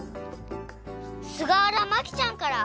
すがわらまきちゃんから。